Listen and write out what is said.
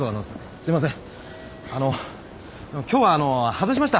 すいません。